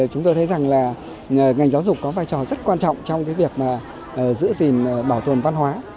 chúng tôi thấy rằng là ngành giáo dục có vai trò rất quan trọng trong việc giữ gìn bảo tồn văn hóa